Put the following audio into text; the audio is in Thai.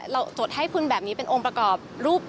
จดให้คุณแบบนี้เป็นองค์ประกอบรูป